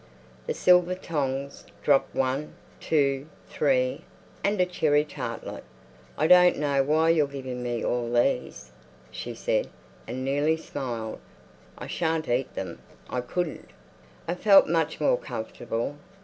The silver tongs dropped one, two, three—and a cherry tartlet. "I don't know why you're giving me all these," she said, and nearly smiled. "I shan't eat them; I couldn't!" I felt much more comfortable.